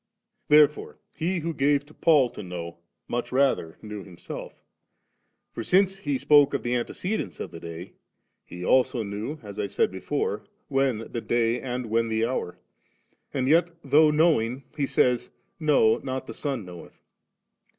4& Therefore He who gave to Paul to know, much rather knew Himself; for since He spoke of the antecedents of the day, He also knew, as I said before, when the Day and when the Hour, and yet though knowing, He says, * No, not the Son knoweth.'